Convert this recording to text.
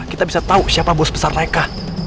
kita bisa tahu siapa bos besar mereka